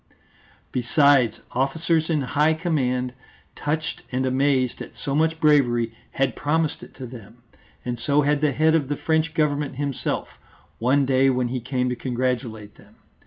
Besides, officers in high command, touched and amazed at so much bravery, had promised it to them, and so had the head of the French Government himself, one day when he came to congratulate them.